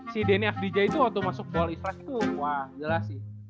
si denny afdija itu waktu masuk ball is life itu wah gila sih